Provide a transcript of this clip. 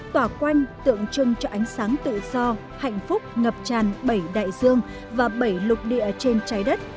tỏa quanh tượng trưng cho ánh sáng tự do hạnh phúc ngập tràn bảy đại dương và bảy lục địa trên trái đất